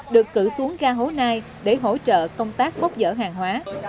được cử xuống ga hố nai để hỗ trợ công tác bốc dở hàng hóa